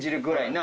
な